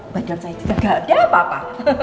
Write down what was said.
bajak saya juga nggak ada apa apa